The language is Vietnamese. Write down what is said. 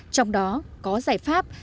trong đó có giải pháp